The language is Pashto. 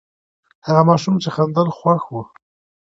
هغه ماشوم چې خندل، خوښ و.